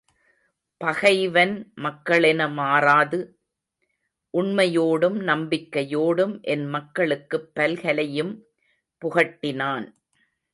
பகைவன் மக்களென மாறாது, உண்மையோடும் நம்பிக்கையோடும் என் மக்களுக்குப் பல்கலையும் புகட்டினான்.